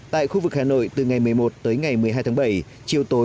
tại khu vực hà nội từ ngày một mươi một tới ngày một mươi hai tháng bảy